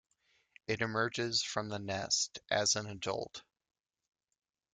It emerges from the nest as an adult.